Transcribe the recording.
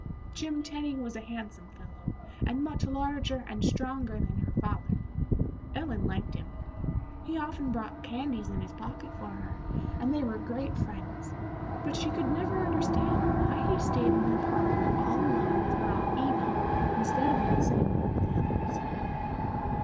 Jim Tenny was a handsome fellow, and much larger and stronger than her father. Ellen liked him; he often brought candies in his pocket for her, and they were great friends, but she could never understand why he stayed in the parlor all alone with her aunt Eva, instead of in the sitting room with the others.